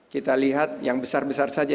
kita lihat yang besar besar saja